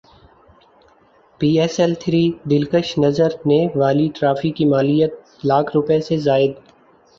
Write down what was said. پی S L three دلکش نظر نے والی ٹرافی کی مالیت لاکھ روپے سے زائد